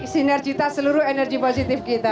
sinergitas seluruh energi positif kita